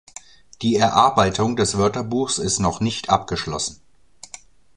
Die Erarbeitung des Wörterbuchs ist noch nicht abgeschlossen.